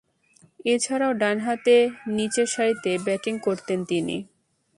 এছাড়াও, ডানহাতে নিচেরসারিতে ব্যাটিং করতেন তিনি।